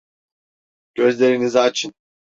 Gözlerinizi açın.